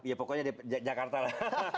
ya pokoknya di jakarta lah